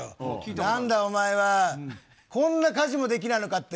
なんだお前は、こんな家事もできないのかって。